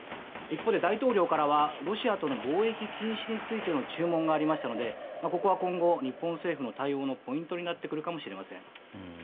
一方で大統領からはロシアとの貿易禁止についての注文がありましたのでここは今後、日本政府の対応のポイントになってくるかもしれません。